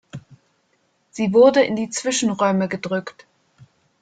Sie wurde in die Zwischenräume gedrückt.